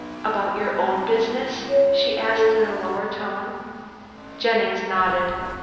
"About your own business?" asked she in a lower tone. Jennings nodded.